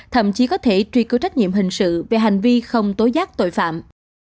thậm chí có thể truy cứu trách nhiệm hình sự về hành vi không tối giác tội phạm